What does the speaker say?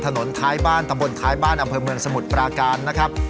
ถนนท้ายบ้านตำบลท้ายบ้านอำเภอเมืองสมุทรปราการนะครับ